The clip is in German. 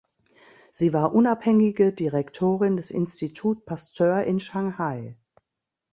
Sie war unabhängige Direktorin des Institut Pasteur in Shanghai.